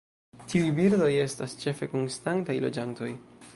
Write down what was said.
Tiuj birdoj estas ĉefe konstantaj loĝantoj.